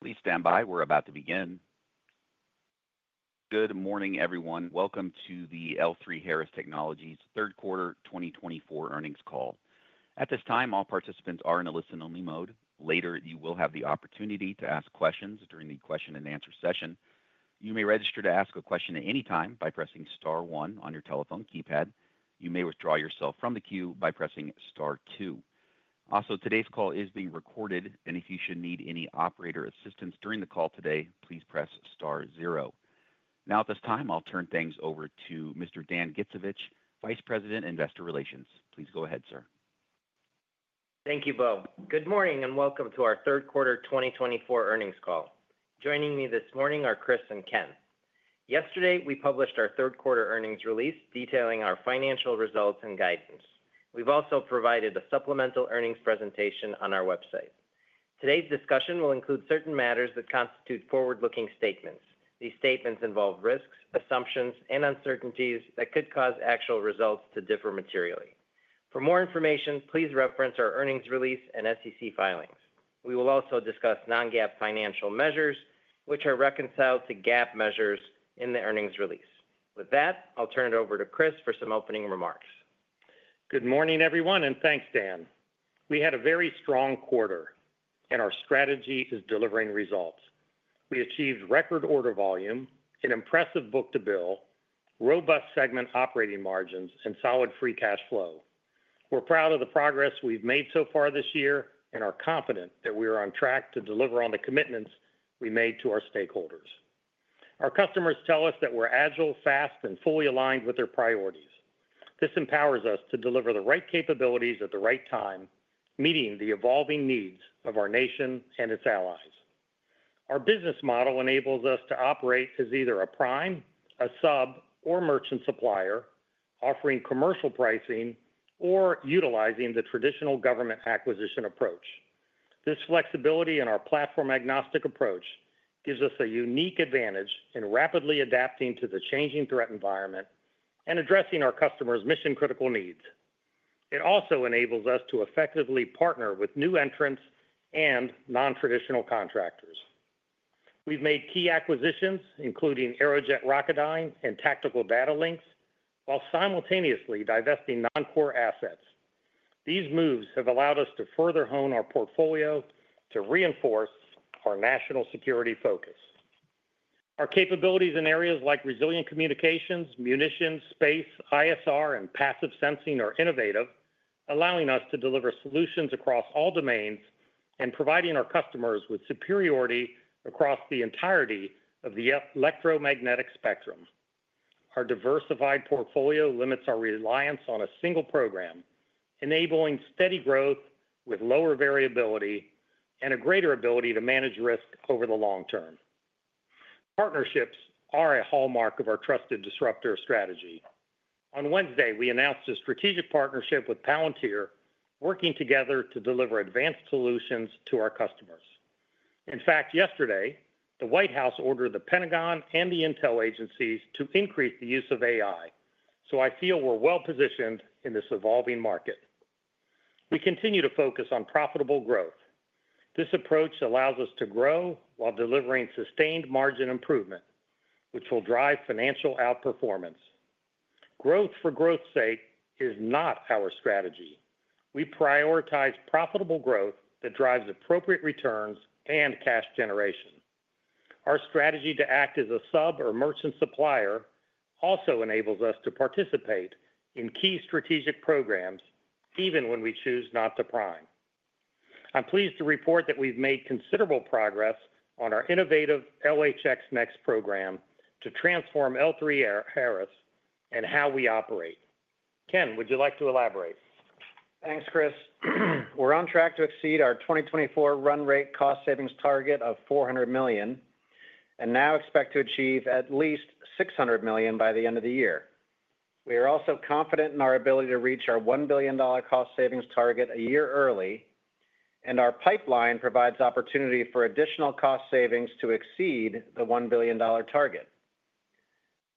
Please stand by. We're about to begin. Good morning, everyone. Welcome to the L3Harris Technologies Third Quarter 2024 Earnings Call. At this time, all participants are in a listen-only mode. Later, you will have the opportunity to ask questions during the question-and-answer session. You may register to ask a question at any time by pressing star one on your telephone keypad. You may withdraw yourself from the queue by pressing star two. Also, today's call is being recorded, and if you should need any operator assistance during the call today, please press star zero. Now, at this time, I'll turn things over to Mr. Dan Gittsovich, Vice President, Investor Relations. Please go ahead, sir. Thank you, Beau. Good morning, and welcome to our Third Quarter 2024 Earnings Call. Joining me this morning are Chris and Ken. Yesterday, we published our third quarter earnings release, detailing our financial results and guidance. We've also provided a supplemental earnings presentation on our website. Today's discussion will include certain matters that constitute forward-looking statements. These statements involve risks, assumptions, and uncertainties that could cause actual results to differ materially. For more information, please reference our earnings release and SEC filings. We will also discuss non-GAAP financial measures, which are reconciled to GAAP measures in the earnings release. With that, I'll turn it over to Chris for some opening remarks. Good morning, everyone, and thanks, Dan. We had a very strong quarter, and our strategy is delivering results. We achieved record order volume, an impressive book-to-bill, robust segment operating margins, and solid free cash flow. We're proud of the progress we've made so far this year and are confident that we are on track to deliver on the commitments we made to our stakeholders. Our customers tell us that we're agile, fast, and fully aligned with their priorities. This empowers us to deliver the right capabilities at the right time, meeting the evolving needs of our nation and its allies. Our business model enables us to operate as either a prime, a sub, or merchant supplier, offering commercial pricing or utilizing the traditional government acquisition approach. This flexibility in our platform-agnostic approach gives us a unique advantage in rapidly adapting to the changing threat environment and addressing our customers' mission-critical needs. It also enables us to effectively partner with new entrants and non-traditional contractors. We've made key acquisitions, including Aerojet Rocketdyne and Tactical Data Links, while simultaneously divesting non-core assets. These moves have allowed us to further hone our portfolio to reinforce our national security focus. Our capabilities in areas like resilient communications, munitions, space, ISR, and passive sensing are innovative, allowing us to deliver solutions across all domains and providing our customers with superiority across the entirety of the electromagnetic spectrum. Our diversified portfolio limits our reliance on a single program, enabling steady growth with lower variability and a greater ability to manage risk over the long term. Partnerships are a hallmark of our trusted disruptor strategy. On Wednesday, we announced a strategic partnership with Palantir, working together to deliver advanced solutions to our customers. In fact, yesterday, the White House ordered the Pentagon and the intel agencies to increase the use of AI, so I feel we're well-positioned in this evolving market. We continue to focus on profitable growth. This approach allows us to grow while delivering sustained margin improvement, which will drive financial outperformance. Growth for growth's sake is not our strategy. We prioritize profitable growth that drives appropriate returns and cash generation. Our strategy to act as a sub or merchant supplier also enables us to participate in key strategic programs even when we choose not to prime. I'm pleased to report that we've made considerable progress on our innovative LHX NeXt program to transform L3Harris and how we operate. Ken, would you like to elaborate? Thanks, Chris. We're on track to exceed our 2024 run rate cost savings target of $400 million, and now expect to achieve at least $600 million by the end of the year. We are also confident in our ability to reach our $1 billion cost savings target a year early, and our pipeline provides opportunity for additional cost savings to exceed the $1 billion target.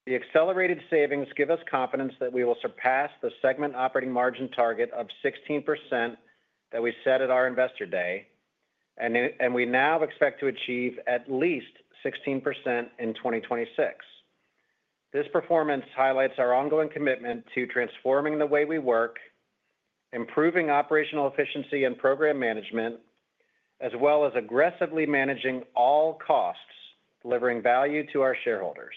The accelerated savings give us confidence that we will surpass the segment operating margin target of 16% that we set at our Investor Day, and we now expect to achieve at least 16% in 2026. This performance highlights our ongoing commitment to transforming the way we work, improving operational efficiency and program management, as well as aggressively managing all costs, delivering value to our shareholders.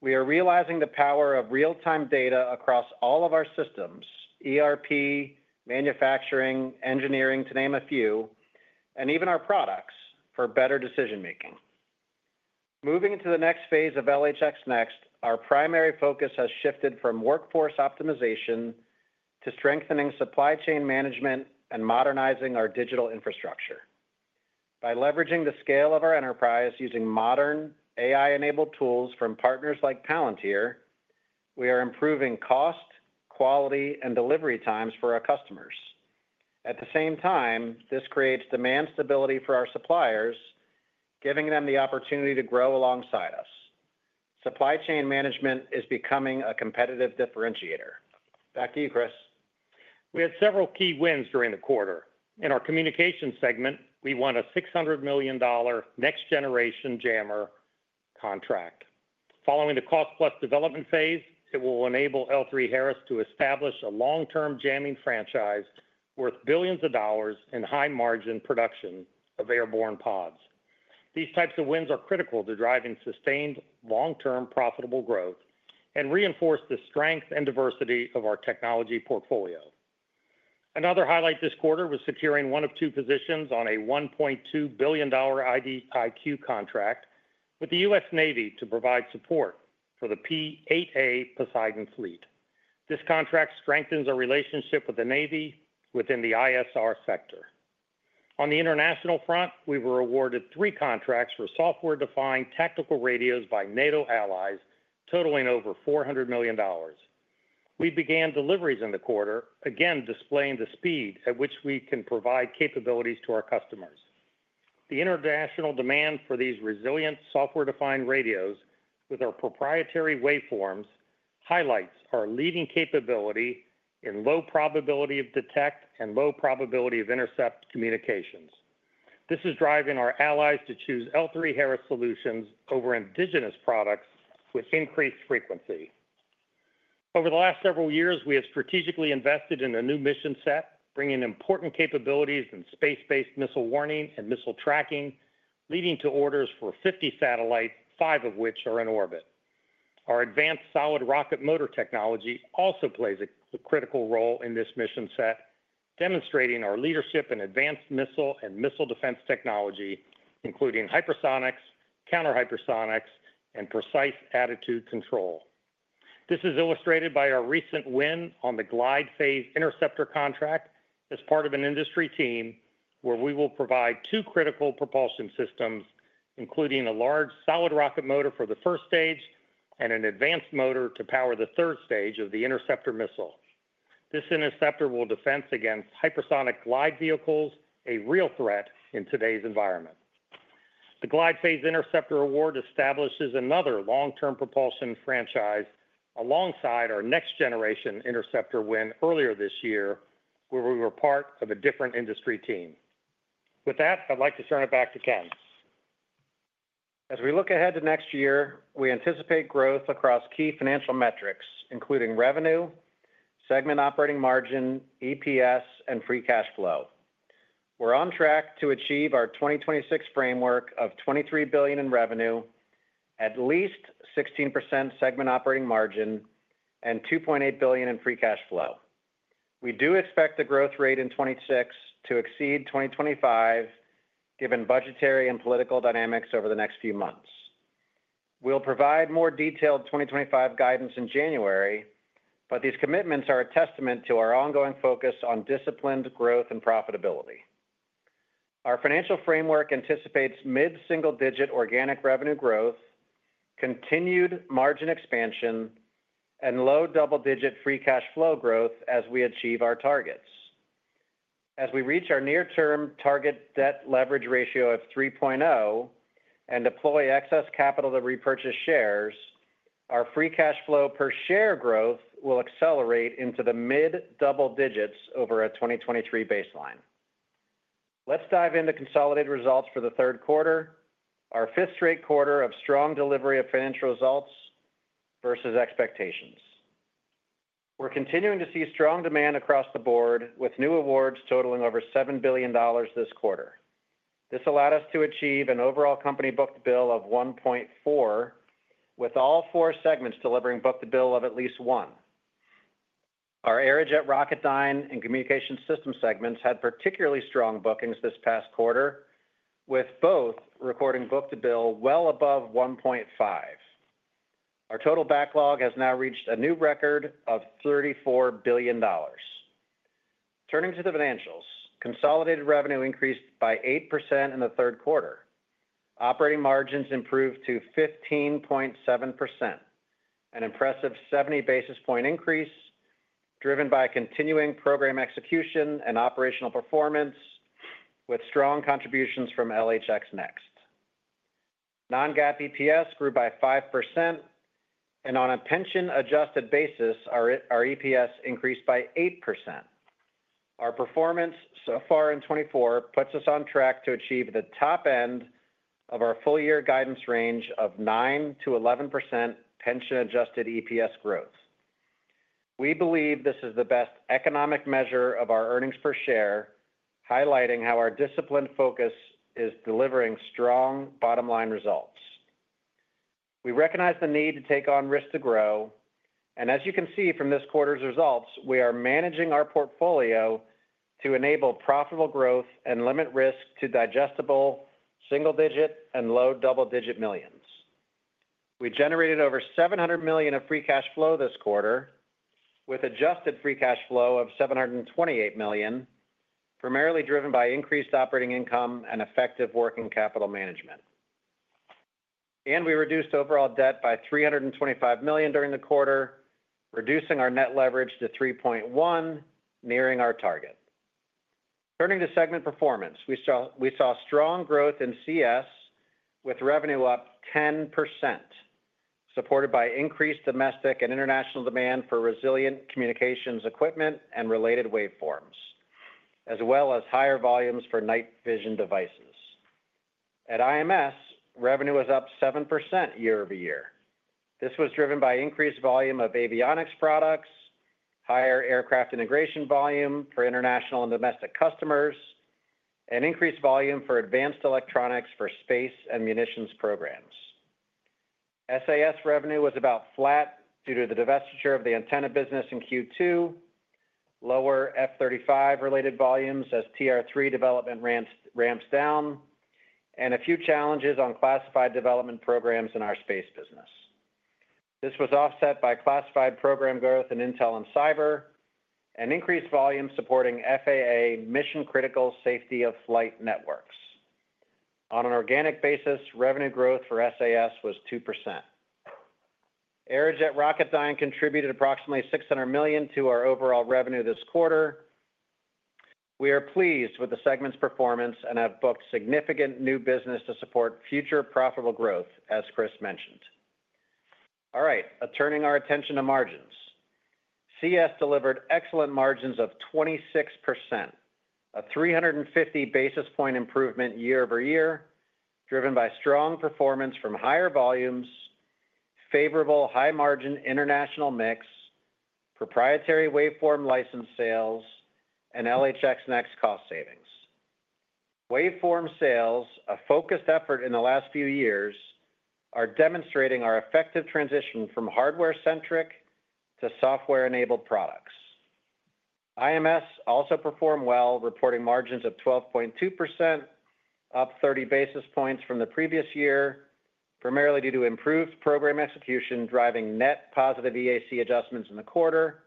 We are realizing the power of real-time data across all of our systems, ERP, manufacturing, engineering, to name a few, and even our products, for better decision-making. Moving into the next phase of LHX NeXt, our primary focus has shifted from workforce optimization to strengthening supply chain management and modernizing our digital infrastructure. By leveraging the scale of our enterprise, using modern AI-enabled tools from partners like Palantir, we are improving cost, quality, and delivery times for our customers. At the same time, this creates demand stability for our suppliers, giving them the opportunity to grow alongside us. Supply chain management is becoming a competitive differentiator. Back to you, Chris. We had several key wins during the quarter. In our communication segment, we won a $600 million Next Generation Jammer contract. Following the cost plus development phase, it will enable L3Harris to establish a long-term jamming franchise worth billions of dollars in high margin production of airborne pods. These types of wins are critical to driving sustained, long-term, profitable growth, and reinforce the strength and diversity of our technology portfolio. Another highlight this quarter was securing one of two positions on a $1.2 billion IDIQ contract with the U.S. Navy to provide support for the P-8A Poseidon fleet. This contract strengthens our relationship with the Navy within the ISR sector. On the international front, we were awarded three contracts for software-defined tactical radios by NATO allies, totaling over $400 million. We began deliveries in the quarter, again, displaying the speed at which we can provide capabilities to our customers. The international demand for these resilient software-defined radios with our proprietary waveforms highlights our leading capability in low probability of detect and low probability of intercept communications. This is driving our allies to choose L3Harris solutions over indigenous products with increased frequency. Over the last several years, we have strategically invested in a new mission set, bringing important capabilities in space-based missile warning and missile tracking, leading to orders for fifty satellites, five of which are in orbit. Our advanced solid rocket motor technology also plays a critical role in this mission set, demonstrating our leadership in advanced missile and missile defense technology, including hypersonics, counter-hypersonics, and precise attitude control. This is illustrated by our recent win on the Glide Phase Interceptor contract as part of an industry team, where we will provide two critical propulsion systems, including a large solid rocket motor for the first stage and an advanced motor to power the third stage of the interceptor missile. This interceptor will defend against hypersonic glide vehicles, a real threat in today's environment. The Glide Phase Interceptor award establishes another long-term propulsion franchise alongside our Next Generation Interceptor win earlier this year, where we were part of a different industry team. With that, I'd like to turn it back to Ken. As we look ahead to next year, we anticipate growth across key financial metrics, including revenue, segment operating margin, EPS, and free cash flow. We're on track to achieve our 2026 framework of $23 billion in revenue, at least 16% segment operating margin, and $2.8 billion in free cash flow. We do expect the growth rate in 2026 to exceed 2025, given budgetary and political dynamics over the next few months. We'll provide more detailed 2025 guidance in January, but these commitments are a testament to our ongoing focus on disciplined growth and profitability. Our financial framework anticipates mid-single-digit organic revenue growth, continued margin expansion, and low-double-digit free cash flow growth as we achieve our targets. As we reach our near term target debt leverage ratio of 3.0, and deploy excess capital to repurchase shares, our free cash flow per share growth will accelerate into the mid-double digits over a 2023 baseline. Let's dive into consolidated results for the third quarter, our fifth straight quarter of strong delivery of financial results versus expectations. We're continuing to see strong demand across the board, with new awards totaling over $7 billion this quarter. This allowed us to achieve an overall company book-to-bill of 1.4, with all four segments delivering book-to-bill of at least one. Our Aerojet Rocketdyne and Communication Systems segments had particularly strong bookings this past quarter, with both recording book-to-bill well above 1.5. Our total backlog has now reached a new record of $34 billion. Turning to the financials, consolidated revenue increased by 8% in the third quarter. Operating margins improved to 15.7%, an impressive seventy basis points increase, driven by continuing program execution and operational performance, with strong contributions from LHX NeXt. Non-GAAP EPS grew by 5%, and on a pension-adjusted basis, our EPS increased by 8%. Our performance so far in 2024 puts us on track to achieve the top end of our full-year guidance range of 9%-11% pension-adjusted EPS growth. We believe this is the best economic measure of our earnings per share, highlighting how our disciplined focus is delivering strong bottom-line results. We recognize the need to take on risk to grow, and as you can see from this quarter's results, we are managing our portfolio to enable profitable growth and limit risk to digestible single-digit and low-double-digit millions. We generated over $700 million of free cash flow this quarter, with adjusted free cash flow of $728 million, primarily driven by increased operating income and effective working capital management. We reduced overall debt by $325 million during the quarter, reducing our net leverage to 3.1, nearing our target. Turning to segment performance. We saw strong growth in CS, with revenue up 10%, supported by increased domestic and international demand for resilient communications equipment and related waveforms, as well as higher volumes for night vision devices. At IMS, revenue was up 7% year over year. This was driven by increased volume of avionics products, higher aircraft integration volume for international and domestic customers, and increased volume for advanced electronics for space and munitions programs. SAS revenue was about flat due to the divestiture of the antenna business in Q2, lower F-35 related volumes as TR-3 development ramps down, and a few challenges on classified development programs in our space business. This was offset by classified program growth in intel and cyber, and increased volume supporting FAA mission-critical safety of flight networks. On an organic basis, revenue growth for SAS was 2%. Aerojet Rocketdyne contributed approximately $600 million to our overall revenue this quarter. We are pleased with the segment's performance and have booked significant new business to support future profitable growth, as Chris mentioned. All right, turning our attention to margins. CS delivered excellent margins of 26%, a 350 basis point improvement year over year, driven by strong performance from higher volumes, favorable high-margin international mix, proprietary waveform license sales, and LHX NeXt cost savings. Waveform sales, a focused effort in the last few years, are demonstrating our effective transition from hardware-centric to software-enabled products. IMS also performed well, reporting margins of 12.2%, up 30 basis points from the previous year, primarily due to improved program execution, driving net positive EAC adjustments in the quarter,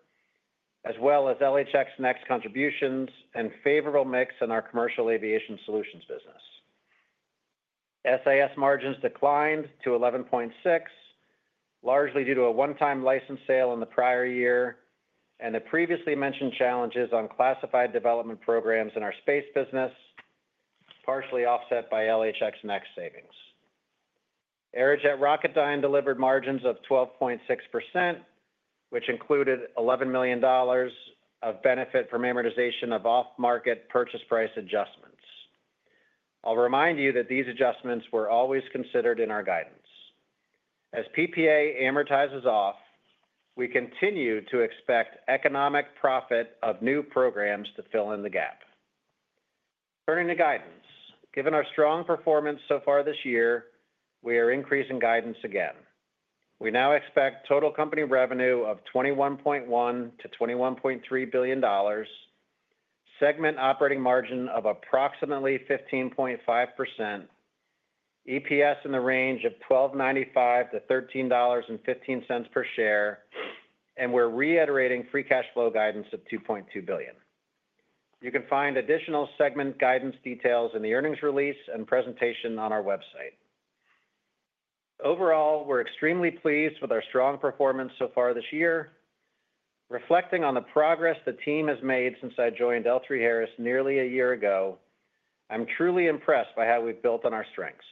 as well as LHX NeXt contributions and favorable mix in our commercial aviation solutions business. SAS margins declined to 11.6%, largely due to a one-time license sale in the prior year and the previously mentioned challenges on classified development programs in our space business, partially offset by LHX NeXt savings. Aerojet Rocketdyne delivered margins of 12.6%, which included $11 million of benefit from amortization of off-market purchase price adjustments. I'll remind you that these adjustments were always considered in our guidance. As PPA amortizes off, we continue to expect economic profit of new programs to fill in the gap. Turning to guidance. Given our strong performance so far this year, we are increasing guidance again. We now expect total company revenue of $21.1-$21.3 billion, segment operating margin of approximately 15.5%, EPS in the range of $12.95-$13.15 per share, and we're reiterating free cash flow guidance of $2.2 billion. You can find additional segment guidance details in the earnings release and presentation on our website. Overall, we're extremely pleased with our strong performance so far this year. Reflecting on the progress the team has made since I joined L3Harris nearly a year ago, I'm truly impressed by how we've built on our strengths.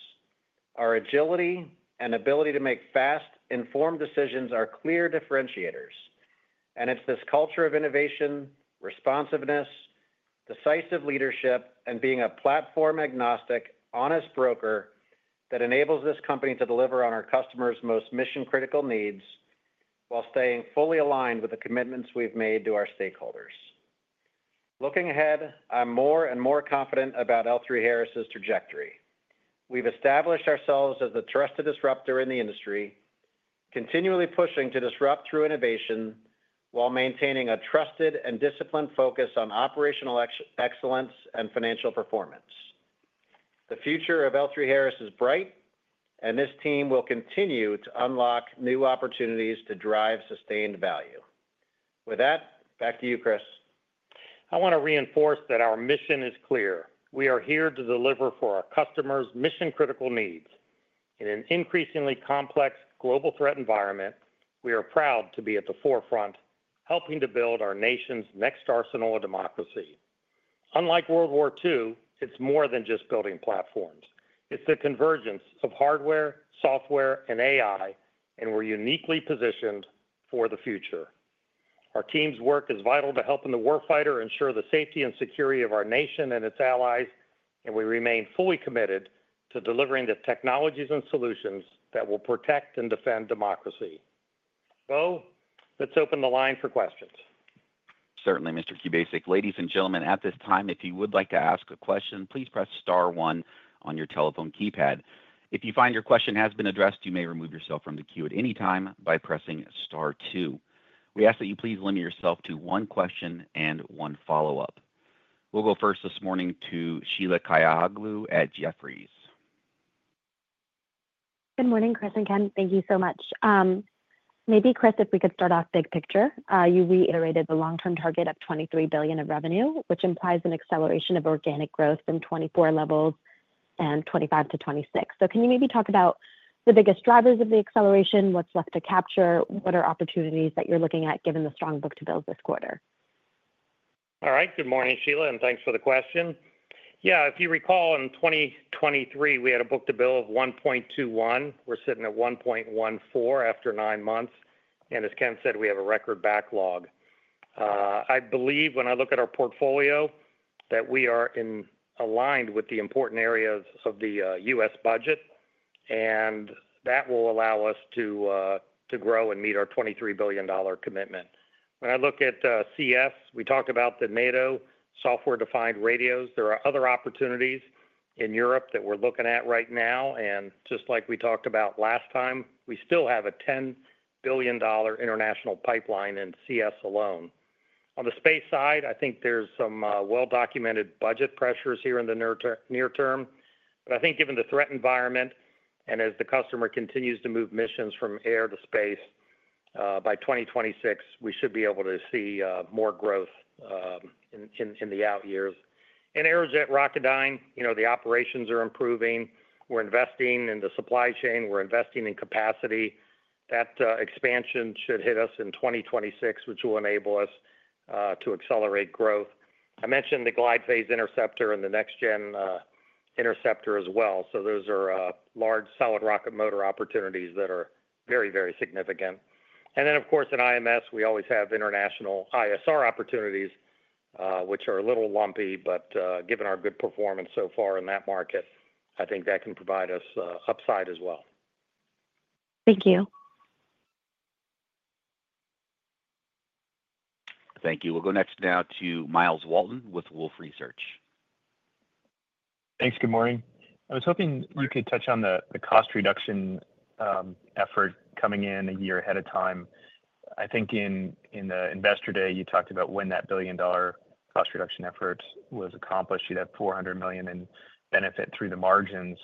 Our agility and ability to make fast, informed decisions are clear differentiators, and it's this culture of innovation, responsiveness, decisive leadership, and being a platform-agnostic, honest broker that enables this company to deliver on our customers' most mission-critical needs while staying fully aligned with the commitments we've made to our stakeholders. Looking ahead, I'm more and more confident about L3Harris's trajectory. We've established ourselves as the trusted disruptor in the industry, continually pushing to disrupt through innovation while maintaining a trusted and disciplined focus on operational excellence and financial performance. The future of L3Harris is bright, and this team will continue to unlock new opportunities to drive sustained value. With that, back to you, Chris. I want to reinforce that our mission is clear: We are here to deliver for our customers' mission-critical needs. In an increasingly complex global threat environment, we are proud to be at the forefront, helping to build our nation's next arsenal of democracy. Unlike World War II, it's more than just building platforms. It's the convergence of hardware, software, and AI, and we're uniquely positioned for the future. Our team's work is vital to helping the war fighter ensure the safety and security of our nation and its allies, and we remain fully committed to delivering the technologies and solutions that will protect and defend democracy. So let's open the line for questions. Certainly, Mr. Kubasik. Ladies and gentlemen, at this time, if you would like to ask a question, please press star one on your telephone keypad. If you find your question has been addressed, you may remove yourself from the queue at any time by pressing star two. We ask that you please limit yourself to one question and one follow-up. We'll go first this morning to Sheila Kahyaoglu at Jefferies. Good morning, Chris and Ken. Thank you so much. Maybe, Chris, if we could start off big picture. You reiterated the long-term target of $23 billion of revenue, which implies an acceleration of organic growth from 2024 levels and 2025 to 2026. Can you maybe talk about the biggest drivers of the acceleration? What's left to capture? What are opportunities that you're looking at, given the strong book-to-bill this quarter? All right. Good morning, Sheila, and thanks for the question. If you recall, in 2023, we had a book-to-bill of 1.21. We're sitting at 1.14 after nine months, and as Ken said, we have a record backlog. I believe when I look at our portfolio, that we are aligned with the important areas of the U.S. budget, and that will allow us to grow and meet our $23 billion commitment. When I look at CS, we talked about the NATO software-defined radios. There are other opportunities in Europe that we're looking at right now, and just like we talked about last time, we still have a $10 billion international pipeline in CS alone. On the space side, I think there's some well-documented budget pressures here in the near term. But I think given the threat environment, and as the customer continues to move missions from air to space, by 2026, we should be able to see more growth in the out years. In Aerojet Rocketdyne, you know, the operations are improving. We're investing in the supply chain. We're investing in capacity. That expansion should hit us in 2026, which will enable us to accelerate growth. I mentioned the Glide Phase Interceptor and the Next Generation Interceptor as well. So those are large solid rocket motor opportunities that are very, very significant. And then, of course, in IMS, we always have international ISR opportunities, which are a little lumpy, but given our good performance so far in that market, I think that can provide us upside as well. Thank you. Thank you. We'll go next now to Myles Walton with Wolfe Research. Thanks. Good morning. I was hoping you could touch on the cost reduction effort coming in a year ahead of time. I think in the Investor Day, you talked about when that billion-dollar cost reduction effort was accomplished, you'd have $400 million in benefit through the margins.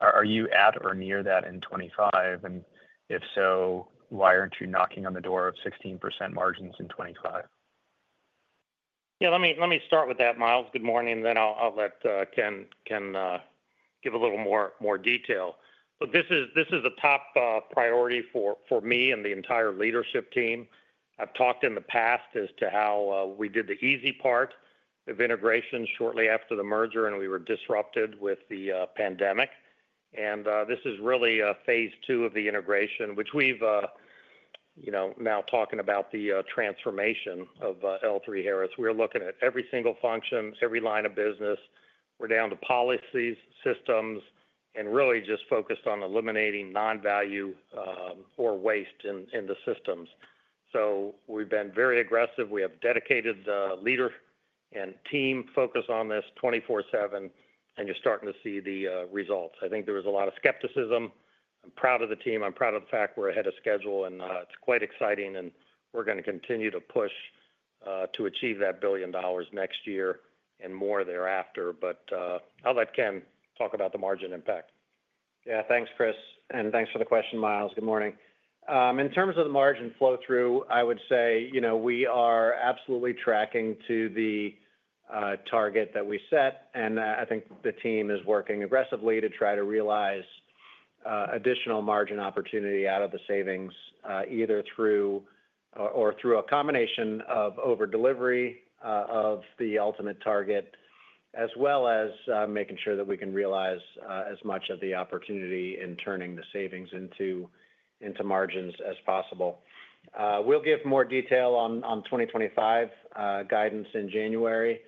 Are you at or near that in 2025? And if so, why aren't you knocking on the door of 16% margins in 2025? Let me start with that, Miles. Good morning. Then I'll let Ken give a little more detail. Look, this is a top priority for me and the entire leadership team. I've talked in the past as to how we did the easy part of integration shortly after the merger, and we were disrupted with the pandemic. This is really a phase II of the integration, which we've you know now talking about the transformation of L3Harris. We're looking at every single function, every line of business. We're down to policies, systems, and really just focused on eliminating non-value or waste in the systems. So we've been very aggressive. We have dedicated leader and team focused on this 24/7, and you're starting to see the results. I think there was a lot of skepticism. I'm proud of the team. I'm proud of the fact we're ahead of schedule, and, it's quite exciting, and we're gonna continue to push, to achieve that billion dollars next year and more thereafter. But, I'll let Ken talk about the margin impact. Thanks, Chris, and thanks for the question, Miles. Good morning. In terms of the margin flow-through, I would say we are absolutely tracking to the target that we set, and I think the team is working aggressively to try to realize additional margin opportunity out of the savings, either through a combination of overdelivery of the ultimate target, as well as making sure that we can realize as much of the opportunity in turning the savings into margins as possible. We'll give more detail on 2025 guidance in January.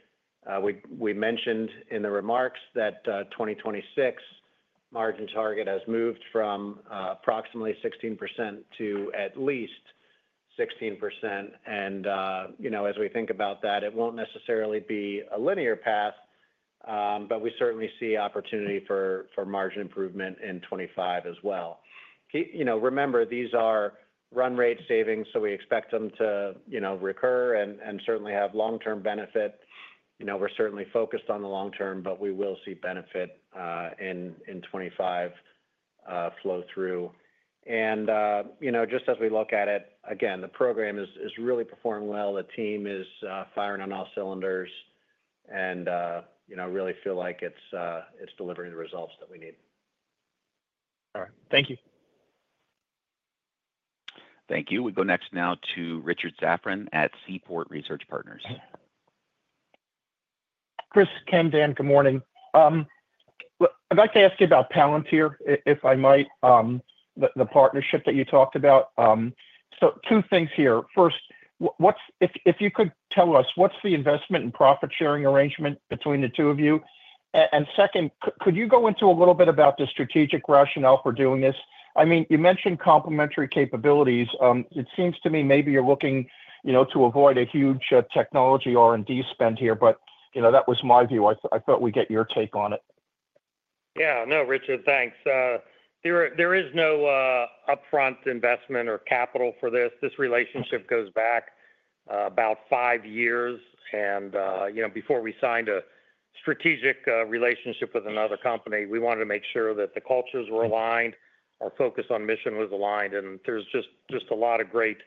We mentioned in the remarks that 2026 margin target has moved from approximately 16% to at least 16%. As we think about that, it won't necessarily be a linear path, but we certainly see opportunity for margin improvement in 2025 as well. Remember, these are run rate savings, so we expect them to recur and certainly have long-term benefit. We're certainly focused on the long term, but we will see benefit in 2025 flow through. Just as we look at it, again, the program is really performing well. The team is firing on all cylinders and really feel like it's delivering the results that we need. All right. Thank you. Thank you. We go next now to Richard Safran at Seaport Research Partners. Chris, Ken, Dan, good morning. Look, I'd like to ask you about Palantir, if I might, the partnership that you talked about. So two things here. First, if you could tell us, what's the investment and profit-sharing arrangement between the two of you? And second, could you go into a little bit about the strategic rationale for doing this? I mean, you mentioned complementary capabilities. It seems to me maybe you're looking to avoid a huge technology R&D spend here that was my view. I thought we'd get your take on it. No, Richard, thanks. There is no upfront investment or capital for this. This relationship goes back about five years. Before we signed a strategic relationship with another company, we wanted to make sure that the cultures were aligned, our focus on mission was aligned, and there's just a lot of great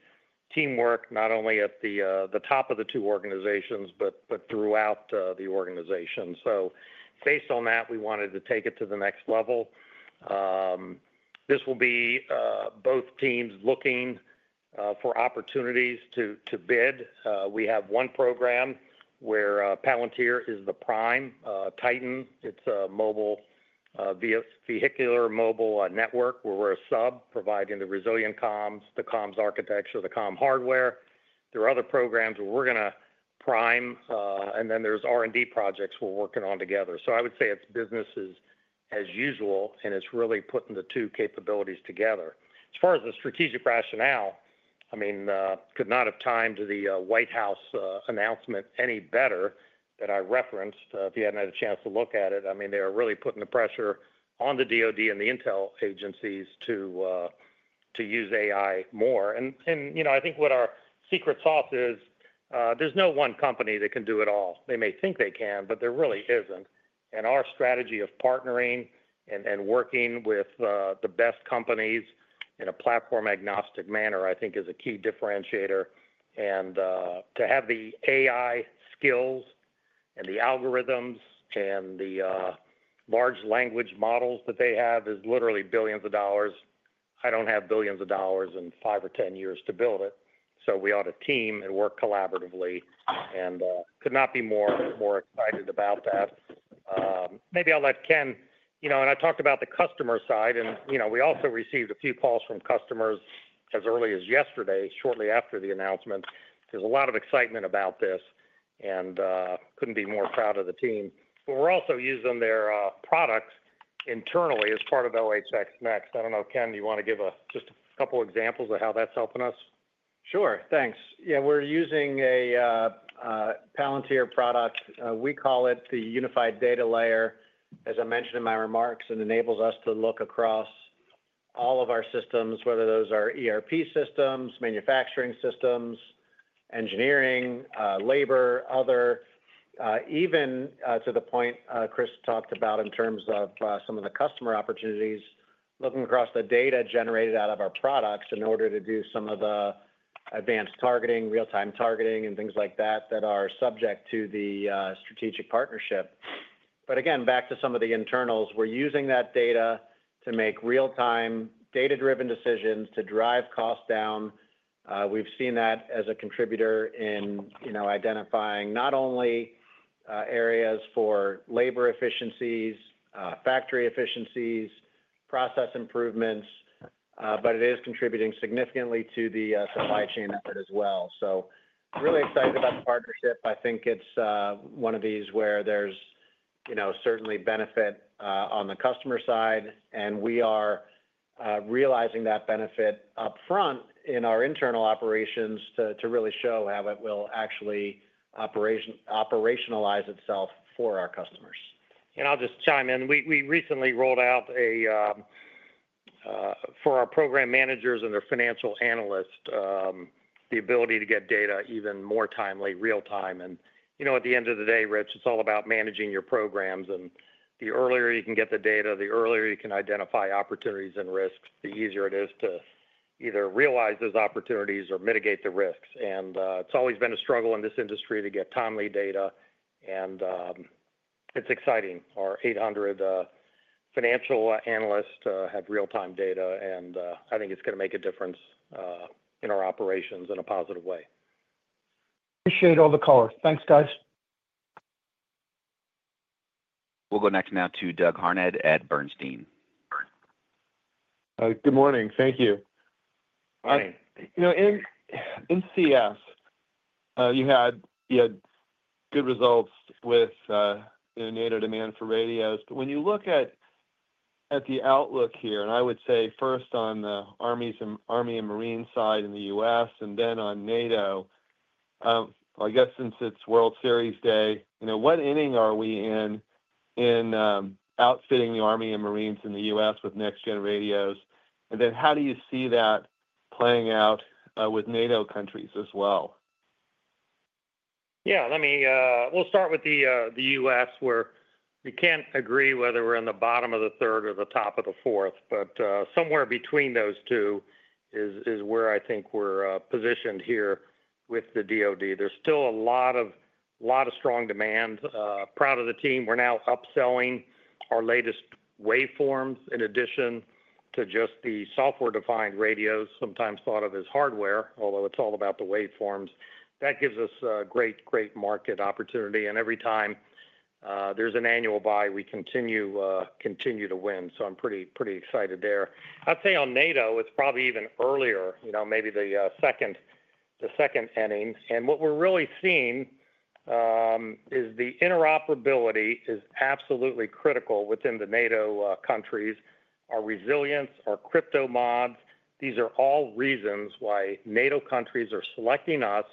teamwork, not only at the top of the two organizations, but throughout the organization. So based on that, we wanted to take it to the next level. This will be both teams looking for opportunities to bid. We have one program where Palantir is the prime Titan. It's a mobile vehicular network, where we're a sub, providing the resilient comms, the comms architecture, the comm hardware. There are other programs where we're gonna prime, and then there's R&D projects we're working on together. So I would say it's business as usual, and it's really putting the two capabilities together. As far as the strategic rationale, I mean, could not have timed the White House announcement any better that I referenced. If you hadn't had a chance to look at it, I mean, they are really putting the pressure on the DoD and the intel agencies to use AI more. I think what our secret sauce is, there's no one company that can do it all. They may think they can, but there really isn't. And our strategy of partnering and working with the best companies in a platform-agnostic manner, I think is a key differentiator. And, to have the AI skills and the algorithms and the large language models that they have is literally billions of dollars. I don't have billions of dollars and five or ten years to build it, so we ought to team and work collaboratively and could not be more, more excited about that. Maybe I'll let Ken and I talked about the customer side we also received a few calls from customers as early as yesterday, shortly after the announcement. There's a lot of excitement about this, and couldn't be more proud of the team. But we're also using their products internally as part of LHX NeXt. I don't know, Ken, do you want to give just a couple examples of how that's helping us? Sure. Thanks. We're using a Palantir product. We call it the Unified Data Layer. As I mentioned in my remarks, it enables us to look across all of our systems, whether those are ERP systems, manufacturing systems, engineering, labor, other, even to the point Chris talked about in terms of some of the customer opportunities, looking across the data generated out of our products in order to do some of the advanced targeting, real-time targeting, and things like that, that are subject to the strategic partnership. But again, back to some of the internals, we're using that data to make real-time, data-driven decisions to drive costs down. We've seen that as a contributor in identifying not only areas for labor efficiencies, factory efficiencies, process improvements, but it is contributing significantly to the supply chain effort as well. So really excited about the partnership. I think it's one of these where there's certainly benefit on the customer side, and we are realizing that benefit upfront in our internal operations to really show how it will actually operationalize itself for our customers. I'll just chime in. We recently rolled out for our program managers and their financial analysts the ability to get data even more timely, real time. At the end of the day, Rich, it's all about managing your programs, and the earlier you can get the data, the earlier you can identify opportunities and risks, the easier it is to either realize those opportunities or mitigate the risks. It's always been a struggle in this industry to get timely data, and it's exciting. Our eight hundred financial analysts have real-time data, and I think it's gonna make a difference in our operations in a positive way. Appreciate all the color. Thanks, guys. We'll go next now to Doug Harned at Bernstein. Good morning. Thank you. Hi. In CS, you had good results with NATO demand for radios. But when you look at the outlook here, and I would say first on the Army and Marine side in the U.S. and then on NATO, I guess since it's World Series Day what inning are we in outfitting the Army and Marines in the U.S. with next-gen radios? And then, how do you see that playing out with NATO countries as well? Let me. We'll start with the U.S., where we can't agree whether we're in the bottom of the third or the top of the fourth. But somewhere between those two is where I think we're positioned here with the DoD. There's still a lot of strong demand. Proud of the team. We're now upselling our latest waveforms in addition to just the software-defined radios, sometimes thought of as hardware, although it's all about the waveforms. That gives us great market opportunity, and every time there's an annual buy, we continue to win. So I'm pretty excited there. I'd say on NATO, it's probably even earlier maybe the second inning. And what we're really seeing is the interoperability is absolutely critical within the NATO countries. Our resilience, our crypto mods, these are all reasons why NATO countries are selecting us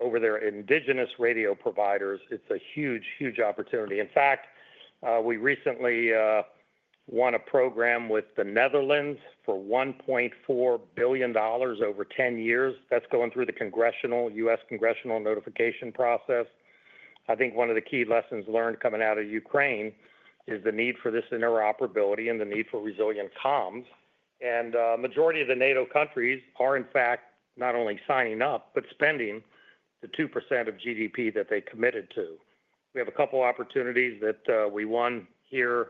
over their indigenous radio providers. It's a huge, huge opportunity. In fact, we recently won a program with the Netherlands for $1.4 billion over 10 years. That's going through the congressional U.S. congressional notification process. I think one of the key lessons learned coming out of Ukraine is the need for this interoperability and the need for resilient comms. And majority of the NATO countries are, in fact, not only signing up, but spending the 2% of GDP that they committed to. We have a couple opportunities that we won here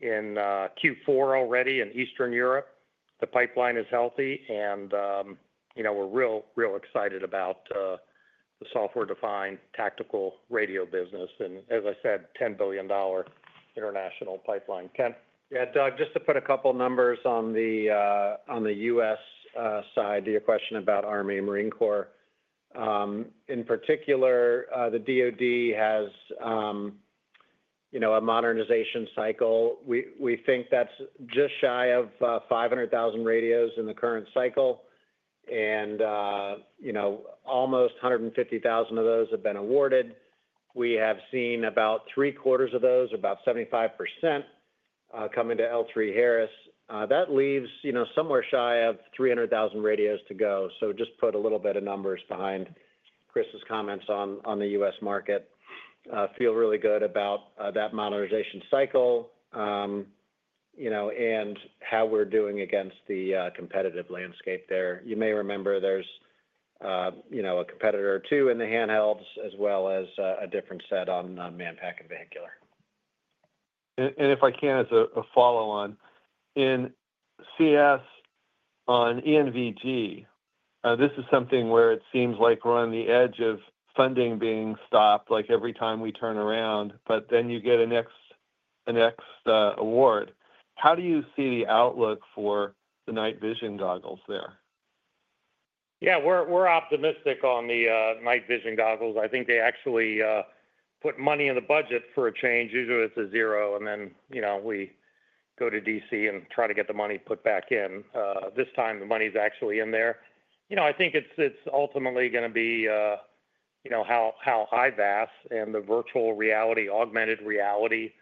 in Q4 already in Eastern Europe. The pipeline is healthy we're real, real excited about the software-defined tactical radio business, and as I said, $10 billion international pipeline. Ken? Doug, just to put a couple numbers on the, on the US, side to your question about Army and Marine Corps. In particular, the DoD has a modernization cycle. We, we think that's just shy of, five hundred thousand radios in the current cycle almost hundred and 50,000 of those have been awarded. We have seen about three-quarters of those, about 75%, coming to L3Harris. That leaves somewhere shy of three hundred thousand radios to go. So just put a little bit of numbers behind Chris's comments on, on the U.S. market. Feel really good about, that modernization cycle and how we're doing against the, competitive landscape there. You may remember there's a competitor or two in the handhelds, as well as a different set on Manpack and Vehicular. If I can, as a follow-on. In CS on ENVG, this is something where it seems like we're on the edge of funding being stopped, like, every time we turn around, but then you get a next award. How do you see the outlook for the night vision goggles there? We're optimistic on the night vision goggles. I think they actually put money in the budget for a change. Usually, it's a zero, and then we go to DC and try to get the money put back in. This time, the money's actually in there. You know, I think it's ultimately gonna be how IVAS and the virtual reality, augmented reality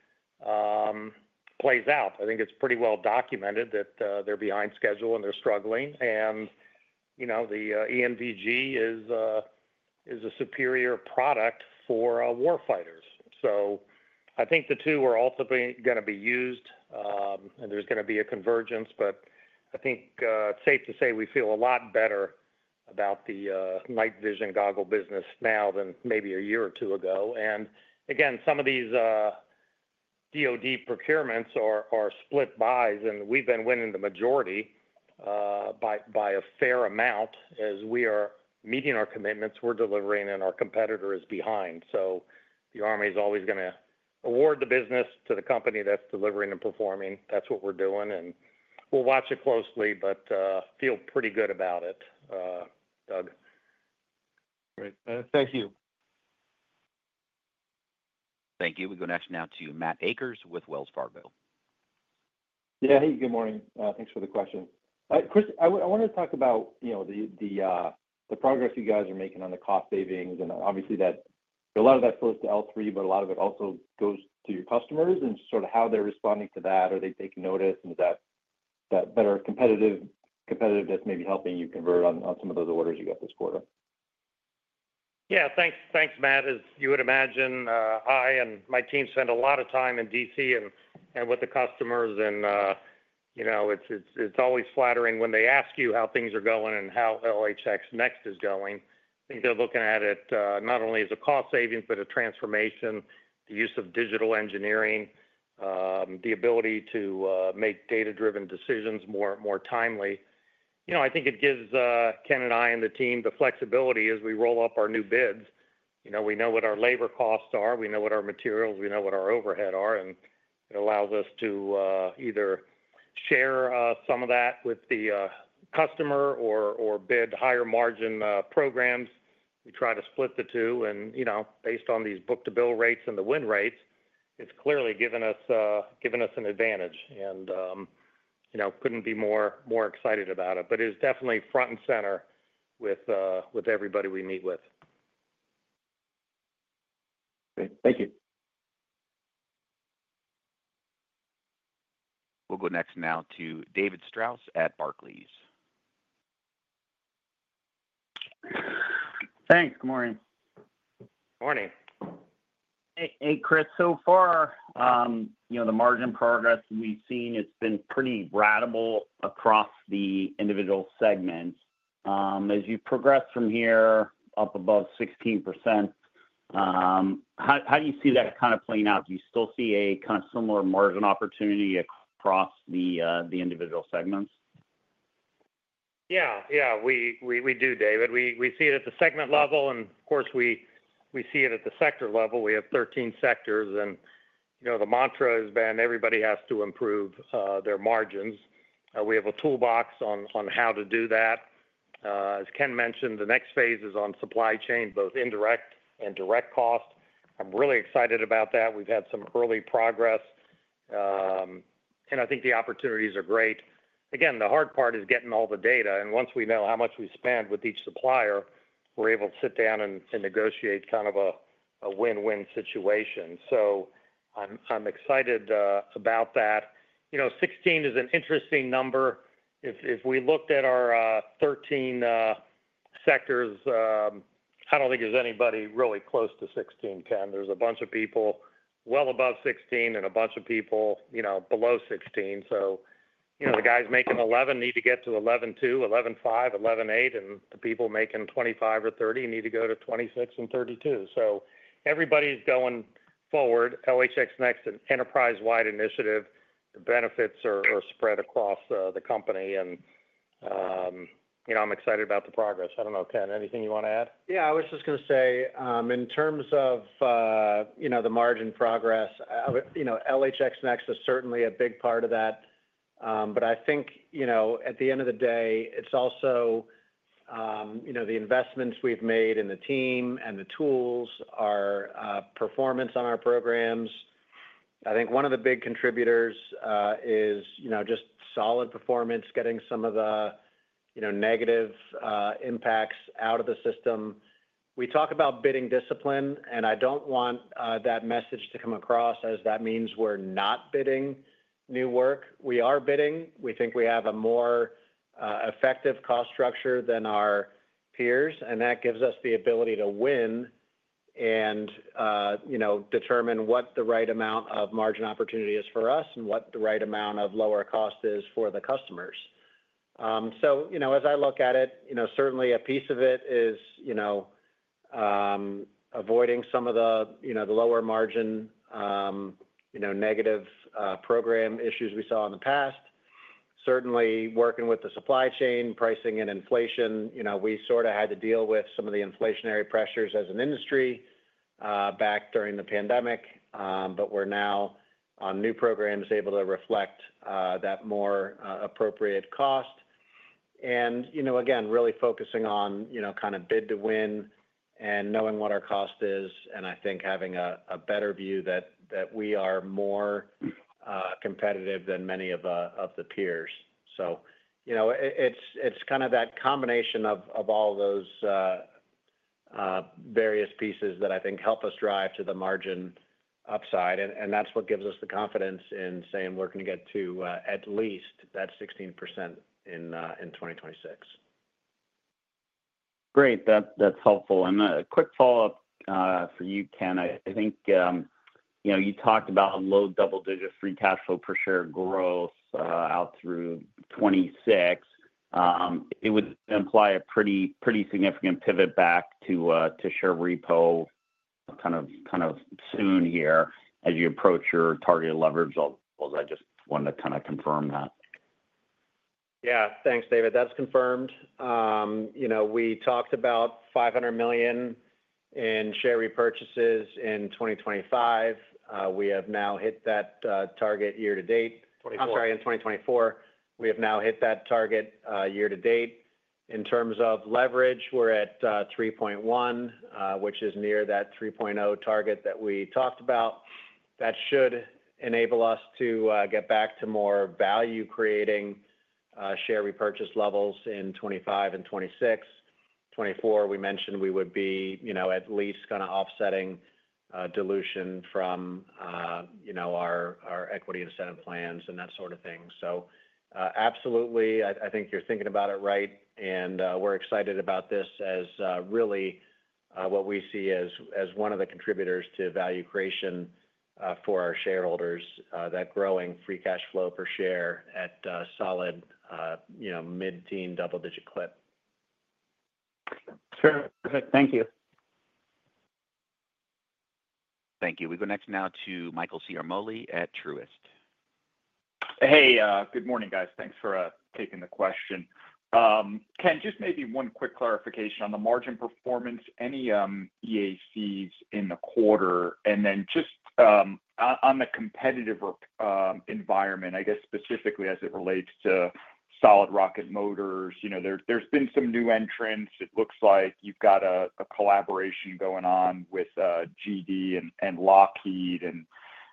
plays out. I think it's pretty well documented that they're behind schedule, and they're struggling. The ENVG is a superior product for our warfighters. So I think the two are ultimately gonna be used, and there's gonna be a convergence. But I think it's safe to say we feel a lot better about the night vision goggle business now than maybe a year or two ago. Again, some of these DoD procurements are split buys, and we've been winning the majority by a fair amount. As we are meeting our commitments, we're delivering, and our competitor is behind. The Army is always gonna award the business to the company that's delivering and performing. That's what we're doing, and we'll watch it closely, but feel pretty good about it, Doug. Great. Thank you. Thank you. We go next now to Matt Akers with Wells Fargo. Hey, good morning. Thanks for the question. Chris, I wanted to talk about the progress you guys are making on the cost savings, and obviously, that a lot of that goes to L3, but a lot of it also goes to your customers and sort of how they're responding to that. Are they taking notice, and is that better competitive that's maybe helping you convert on some of those orders you got this quarter? Thanks, Matt. As you would imagine, I and my team spend a lot of time in DC and with the customers it's always flattering when they ask you how things are going and how LHX NeXt is going. I think they're looking at it not only as a cost saving but a transformation, the use of digital engineering, the ability to make data-driven decisions more timely. You know, I think it gives Ken and I and the team the flexibility as we roll up our new bids. You know, we know what our labor costs are, we know what our materials, we know what our overhead are, and it allows us to either share some of that with the customer or bid higher margin programs. We try to split the two based on these book-to-bill rates and the win rates, it's clearly given us an advantage couldn't be more excited about it, but it's definitely front and center with everybody we meet with. Great. Thank you. We'll go next now to David Strauss at Barclays. Thanks. Good morning. Morning. Hey, Chris. So far the margin progress we've seen, it's been pretty ratable across the individual segments. As you progress from here, up above 16%, how do you see that kind of playing out? Do you still see a kind of similar margin opportunity across the individual segments? We do, David. We see it at the segment level, and of course, we see it at the sector level. We have 13 sectors the mantra has been, "Everybody has to improve their margins." We have a toolbox on how to do that. As Ken mentioned, the next phase is on supply chain, both indirect and direct costs. I'm really excited about that. We've had some early progress, and I think the opportunities are great. Again, the hard part is getting all the data, and once we know how much we spend with each supplier, we're able to sit down and negotiate kind of a win-win situation. I'm excited about that. Sixteen is an interesting number. If we looked at our 13 sectors, I don't think there's anybody really close to sixteen ten. There's a bunch of people well above sixteen and a bunch of people below sixteen. The guys making 11% need to get to 11.2%, 11.5%, 11.8%, and the people making 25% or 30% need to go to 26% and 32%. So everybody's going forward. LHX NeXt, an enterprise-wide initiative, the benefits are spread across the company and I'm excited about the progress. I don't know, Ken, anything you wanna add? I was just gonna say, in terms of the margin progress LHX NeXt is certainly a big part of that. But I think at the end of the day, it's also the investments we've made in the team and the tools, our performance on our programs. I think one of the big contributors is just solid performance, getting some of the negative impacts out of the system. We talk about bidding discipline, and I don't want that message to come across as that means we're not bidding new work. We are bidding. We think we have a more effective cost structure than our peers, and that gives us the ability to win and determine what the right amount of margin opportunity is for us and what the right amount of lower cost is for the customers as I look at it certainly a piece of it is avoiding some of the lower margin negative program issues we saw in the past. Certainly working with the supply chain, pricing and inflation we sorta had to deal with some of the inflationary pressures as an industry back during the pandemic, but we're now on new programs, able to reflect that more appropriate cost. You know, again, really focusing on kind of bid to win and knowing what our cost is, and I think having a better view that we are more competitive than many of the peers. You know, it is kind of that combination of all those various pieces that I think help us drive to the margin upside, and that is what gives us the confidence in saying we're gonna get to at least that 16% in 2026. Great. That's helpful. And a quick follow-up for you, Ken. I think you talked about a low double-digit free cash flow per share growth out through 2026. It would imply a pretty significant pivot back to share repo kind of soon here as you approach your targeted leverage levels. I just wanted to kinda confirm that. Thanks, David. That's confirmed. You know, we talked about $500 million in share repurchases in 2025. We have now hit that target year to date. 2024. I'm sorry, in 2024. We have now hit that target year to date. In terms of leverage, we're at three point one, which is near that three point oh target that we talked about. That should enable us to get back to more value-creating share repurchase levels in 2025 and 2026. 2024, we mentioned we would be at least kinda offsetting dilution from our equity incentive plans and that sort of thing. So, absolutely, I think you're thinking about it right, and we're excited about this as really what we see as one of the contributors to value creation for our shareholders that growing free cash flow per share at a solid mid-teen double-digit clip. Sure. Perfect. Thank you. Thank you. We go next now to Michael Ciarmoli at Truist. Hey, good morning, guys. Thanks for taking the question. Ken, just maybe one quick clarification on the margin performance, any EACs in the quarter? And then just on the competitive work environment, I guess specifically as it relates to solid rocket motors there's been some new entrants. It looks like you've got a collaboration going on with GD and Lockheed, and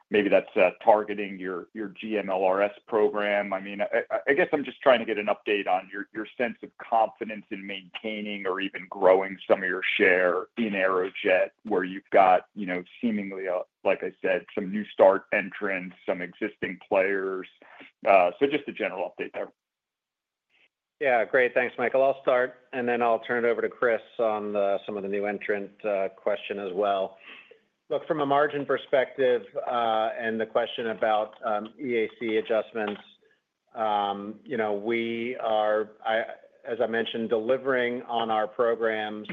maybe that's targeting your GMLRS program. I mean, I guess I'm just trying to get an update on your sense of confidence in maintaining or even growing some of your share in Aerojet, where you've got seemingly, like I said, some new start entrants, some existing players. So just a general update there. Great. Thanks, Michael. I'll start, and then I'll turn it over to Chris on the some of the new entrant question as well. Look, from a margin perspective, and the question about EAC adjustments, you know, we are, as I mentioned, delivering on our programs.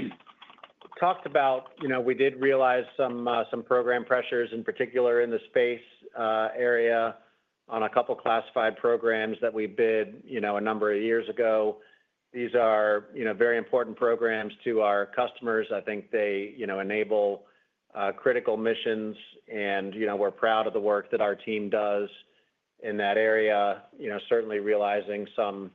Talked about, you know, we did realize some program pressures, in particular in the space area on a couple classified programs that we bid, you know, a number of years ago. These are, you know, very important programs to our customers. I think they, you know, enable critical missions, and, you know, we're proud of the work that our team does in that area. You know, certainly realizing some